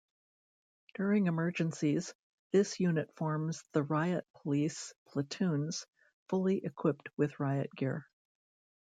During emergencies, this unit forms the riot police platoons fully equipped with riot gear.